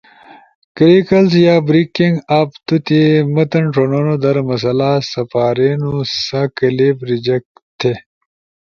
کریکلز یا بریکنگ اپ تو تی متن ݜنونو در مسئلہ سپارینو سا کلپ ریجیکٹ تھی۔